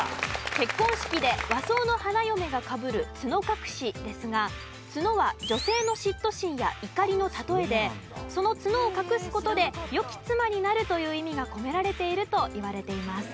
結婚式で和装の花嫁がかぶる角隠しですが角は女性の嫉妬心や怒りの例えでその角を隠す事で良き妻になるという意味が込められているといわれています。